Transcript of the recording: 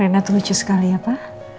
rena tuh lucu sekali ya pa